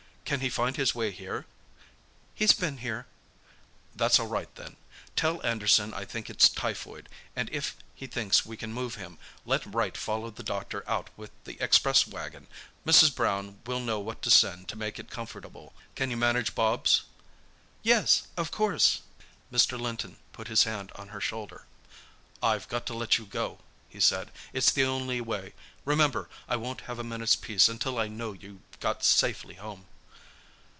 Can he find his way here?" "He's been here." "That's all right, then. Tell Anderson I think it's typhoid, and if he thinks we can move him, let Wright follow the doctor out with the express wagon—Mrs. Brown will know what to send to make it comfortable. Can you manage Bobs?" "Yes—of course." Mr. Linton put his hand on her shoulder. "I've got to let you go," he said. "It's the only way. Remember, I won't have a minute's peace until I know you've got safely home."